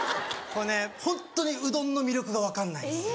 ホントにうどんの魅力が分かんないんですよ。